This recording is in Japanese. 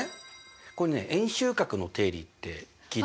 これね「円周角の定理」って聞いたことある？